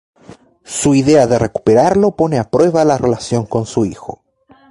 Su idea de recuperarlo pone a prueba la relación con su hijo.